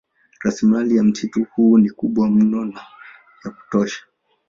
Rasilimali ya msitu huu ni kubwa mno na ya kutosha